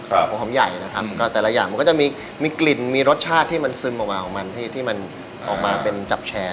สาธารณ์หูหอมใหญ่นะครับก็แต่ละอย่างมีภาพมันก็จะมีกลิ่นมีเป็นรสชาติที่มันซึมออกมาออกมาที่ที่มันออกมาเป็นจับแชน